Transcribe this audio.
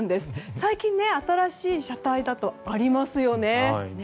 最近、新しい車体だとありますよね。